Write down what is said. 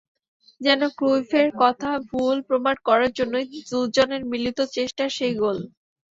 যেন ক্রুইফের কথা ভুল প্রমাণ করার জন্যই দুজনের মিলিত চেষ্টার সেই গোল।